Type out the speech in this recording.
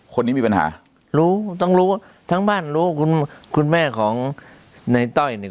คนนี้มีปัญหารู้ต้องรู้ทั้งบ้านรู้คุณคุณแม่ของในต้อยเนี่ย